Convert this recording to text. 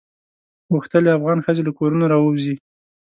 غوښتل یې افغان ښځې له کورونو راووزي.